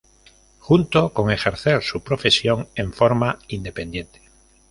Junto con ejercer su profesión en forma independiente.